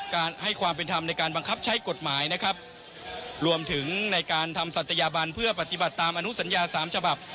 การให้ความเป็นธรรมในการบังคับใช้กฎหมายนะครับรวมถึงในการทำศัตยาบันเพื่อปฏิบัติตามอนุสัญญาสามฉบับ